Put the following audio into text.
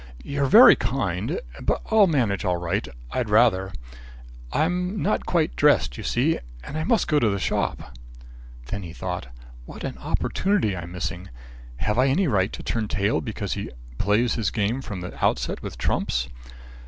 "You're very kind, but I'll manage all right. I'd rather. I'm not quite dressed, you see, and I must get to the shop." Then he thought "What an opportunity I'm losing. Have I any right to turn tail because he plays his game from the outset with trumps?